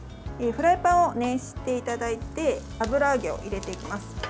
フライパンを熱していただいて油揚げを入れていきます。